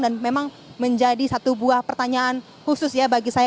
dan memang menjadi satu buah pertanyaan khusus ya bagi saya